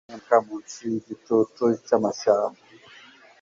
amarira meza kumeneka munsi yigitutu cyamashyamba